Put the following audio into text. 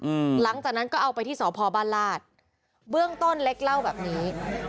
หลังจากนั้นก็เอาไปที่สพบ้านลาดเบื้องต้นเล็กเล่าแบบนี้